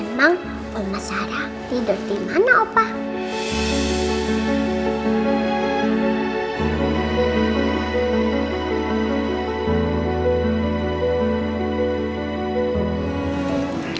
emang mama sarah tidur dimana opah